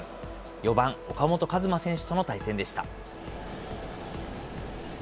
４番岡本和真選手との対戦でした。